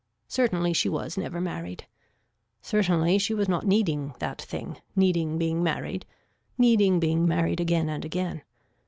Certainly she was never married. Certainly she was not needing that thing, needing being married, needing being married again and again.